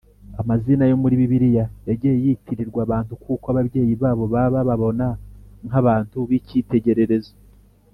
amazina yo muri Bibiliya yagiye yitirirwa abantu kuko ababyeyi babo baba bababona nkabantu bikitegererezo.